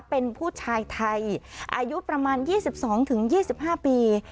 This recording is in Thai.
เป็นผู้ชายไทยอายุประมาณ๒๒๒๕ปี